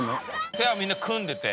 手はみんな組んでて。